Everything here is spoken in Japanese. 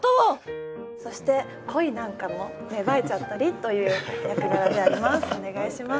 そして恋なんかも芽生えちゃったりという役柄であります。